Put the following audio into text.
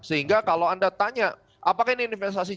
sehingga kalau anda tanya apakah ini investasi